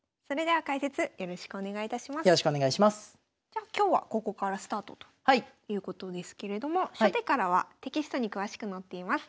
じゃあ今日はここからスタートということですけれども初手からはテキストに詳しく載っています。